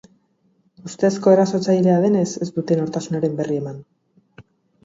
Ustezko erasotzailea denez, ez dute nortasunaren berri eman.